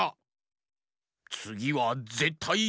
つぎはぜったい。